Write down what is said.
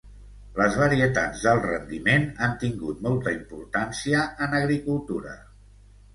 Les varietats d'alt rendiment han tingut molta importància en agricultura.